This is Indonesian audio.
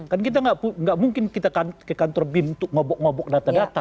kan kita enggak enggak mungkin kita ke kantor bim untuk ngobok ngobok data data